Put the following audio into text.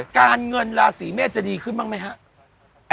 การเงินราศีเมศจะดีขึ้นบ้างมั้ยค่ะ